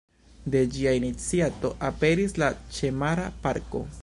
De ĝia iniciato aperis la ĉemara parko.